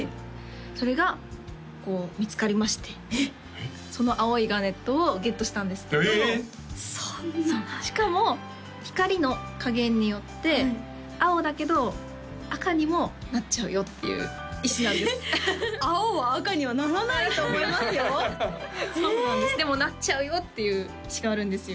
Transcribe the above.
それが見つかりましてその青いガーネットをゲットしたんですけどしかも光の加減によって青だけど赤にもなっちゃうよっていう石なんです青は赤にはならないと思いますよそうなんですでもなっちゃうよっていう石があるんですよ